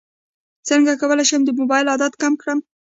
څنګه کولی شم د موبایل عادت کم کړم